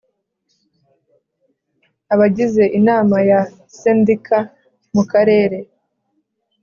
Abagize Inama ya Sendika mu Karere